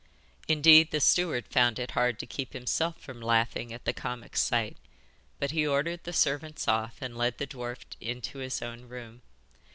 Indeed, the steward found it hard to keep himself from laughing at the comic sight, but he ordered the servants off and led the dwarf into his own room.